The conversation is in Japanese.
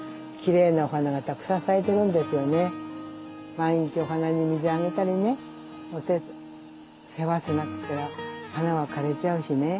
毎日お花に水あげたりね世話しなくては花は枯れちゃうしね。